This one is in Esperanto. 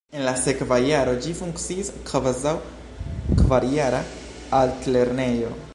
En la sekva jaro ĝi funkciis kvazaŭ kvarjara altlernejo.